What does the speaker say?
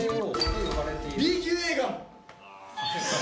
Ｂ級映画！